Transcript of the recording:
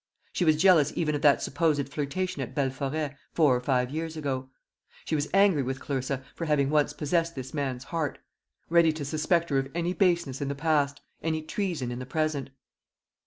She was jealous even of that supposed flirtation at Belforêt, four or five years ago. She was angry with Clarissa for having once possessed this man's heart; ready to suspect her of any baseness in the past, any treason in the present.